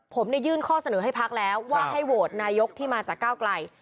ผมได้ยื่นข้อเสนอให้พักแล้วว่าให้โหวตนายกที่มาจากก้าวไกล